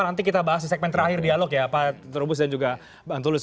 nanti kita bahas di segmen terakhir dialog ya pak terubus dan juga bang tulus